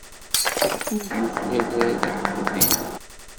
Ur yuklal ara leɛtab-nnem.